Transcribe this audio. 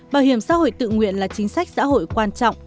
bảo hiểm xã hội tự nguyện là chính sách xã hội quan trọng